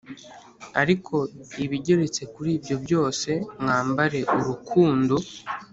Ariko ibigeretse kuri ibyo byose mwambare urukundo